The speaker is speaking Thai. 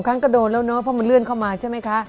ครั้งก็โดนแล้วเนอะเพราะมันเลื่อนเข้ามาใช่ไหมคะ